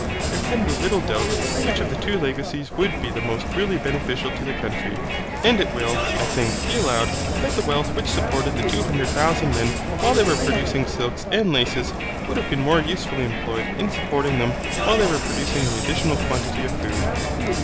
There can be little doubt which of the two legacies would be the most really beneficial to the country, and it will, I think, be allowed that the wealth which supported the two hundred thousand men while they were producing silks and laces would have been more usefully employed in supporting them while they were producing the additional quantity of food.